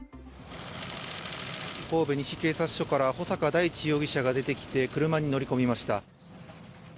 神戸西警察署から穂坂大地容疑者が出てきて車に乗り込みました。